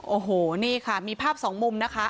โอ้โหนี่ค่ะมีภาพสองมุมนะคะ